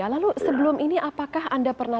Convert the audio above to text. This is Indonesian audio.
lalu sebelum ini apakah anda pernah